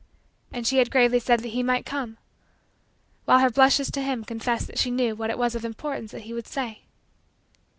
And she had gravely said that he might come; while her blushes to him confessed that she knew what it was of importance that he would say.